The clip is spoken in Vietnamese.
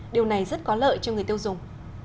điều này rất có lợi cho người tiêu dùng